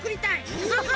ンハハハ。